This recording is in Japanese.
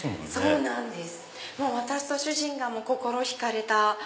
そうなんです。